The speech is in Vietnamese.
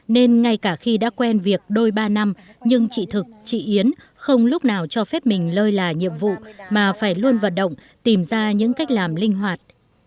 nên ngay cả khi đã quen việc đôi ba năm nhưng chị thực chị yến không lúc nào cho phép mình lơi là nhiệm vụ mà phải luôn vận động tìm ra những cách làm linh hoạt